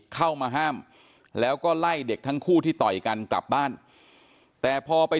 เข้ามาห้ามแล้วก็ไล่เด็กทั้งคู่ที่ต่อยกันกลับบ้านแต่พอไป